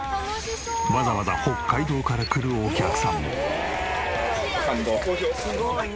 わざわざ北海道から来るお客さんも。